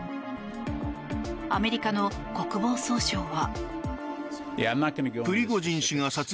アメリカの国防総省は。